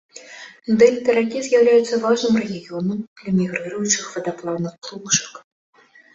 Дэльта ракі з'яўляецца важным рэгіёнам для мігрыруючых вадаплаўных птушак.